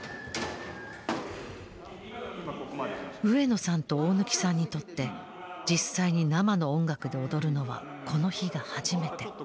上野さんと大貫さんにとって実際に生の音楽で踊るのはこの日が初めて。